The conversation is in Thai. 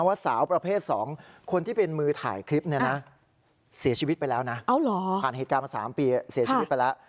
ว่าสาวประเภท๒คนที่เป็นมือถ่ายคลิปเนี่ยนะเสียชีวิตไปแล้วนะผ่านเหตุการณ์มา๓ปีเสียชีวิตไปแล้ว